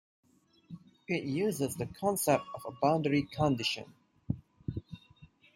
It uses the concept of a boundary condition.